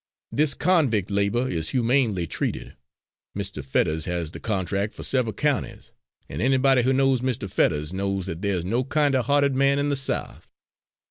This convict labour is humanely treated; Mr. Fetters has the contract for several counties, and anybody who knows Mr. Fetters knows that there's no kinder hearted man in the South."